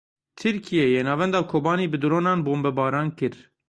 Tirkiyeyê navenda Kobanî bi dronan bombebaran kir.